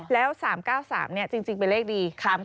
แล้ว๓๙๓จริงเป็นเลขดี